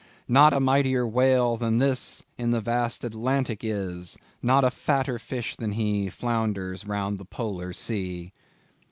Not a mightier whale than this In the vast Atlantic is; Not a fatter fish than he, Flounders round the Polar Sea."